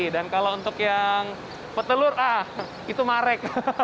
dan kalau untuk yang petelur itu marek